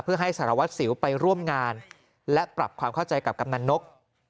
เพื่อให้สารวัตรสิวไปร่วมงานและปรับความเข้าใจกับกำนันนก